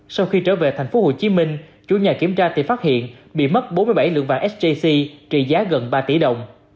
sau khi trở về tp hcm chủ nhà kiểm tra thì phát hiện bị mất bốn mươi bảy lượng vàng sjc trị giá gần ba tỷ đồng